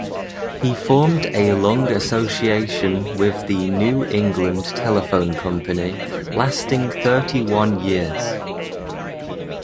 He formed a long association with the New England Telephone Company lasting thirty-one years.